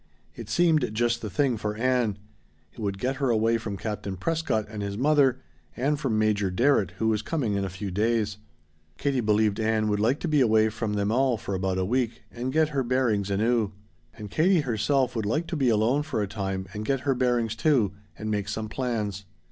It seemed just the thing for Ann. It would get her away from Captain Prescott and his mother, and from Major Darrett, who was coming in a few days. Katie believed Ann would like to be away from them all for about a week, and get her bearings anew. And Katie herself would like to be alone for a time and get her bearings, too, and make some plans.